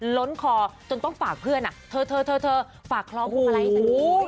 ล้นคอจนต้องฝากเพื่อนอะเธอฝากคล้องคุณคล้ายให้สักที